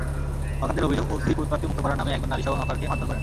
হকারদের অভিযোগ, ওসি ফুটপাতকে মুক্ত করার নামে একজন নারীসহ হকারকে মারধর করেন।